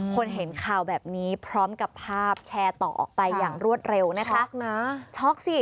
เห็นข่าวแบบนี้พร้อมกับภาพแชร์ต่อออกไปอย่างรวดเร็วนะคะช็อกนะช็อกสิ